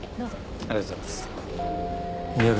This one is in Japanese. ありがとうございます。